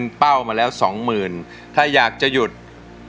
คุณยายแดงคะทำไมต้องซื้อลำโพงและเครื่องเสียง